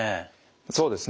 そうですね。